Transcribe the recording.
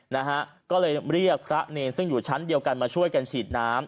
นะฮะก็เลยเรียกพระเนรซึ่งอยู่ชั้นเดียวกันมาช่วยกันฉีดน้ำ